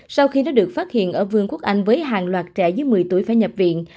sau khi nó được phát hiện ở vương quốc anh với hàng loạt trẻ dưới một mươi tuổi phải nhập viện